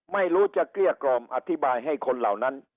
ไม่รู้จะเกลี้ยกล่อมอธิบายให้คนเหล่านั้น